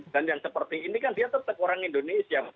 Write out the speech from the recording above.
dan yang seperti ini kan dia tetap orang indonesia